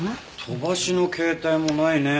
飛ばしの携帯もないね。